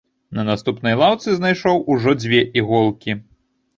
На наступнай лаўцы знайшоў ужо дзве іголкі.